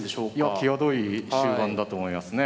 際どい終盤だと思いますね。